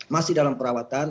masih dalam perawatan